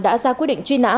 đã ra quyết định truy nã